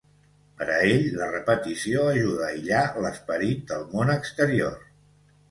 Per a ell, la repetició ajuda a aïllar l'esperit del món exterior.